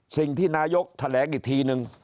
สิ่งที่นายกแถลงอีกทีนึง